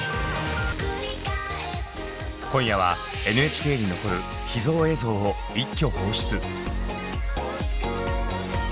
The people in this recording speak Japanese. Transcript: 今夜はＮＨＫに残る秘蔵映像を一挙放出！